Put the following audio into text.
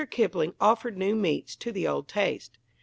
Kipling offered new meats to the old taste.